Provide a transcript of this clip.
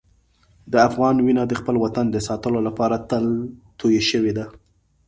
د افغان وینه د خپل وطن د ساتلو لپاره تل تویې شوې ده.